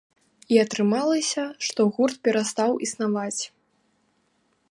І атрымалася, што гурт перастаў існаваць.